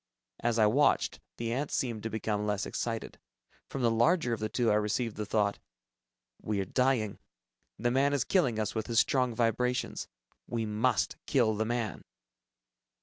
As I watched, the ants seemed to become less excited. From the larger of the two, I received the thought, "We are dying. The man is killing us with his strong vibrations. We must kill the man."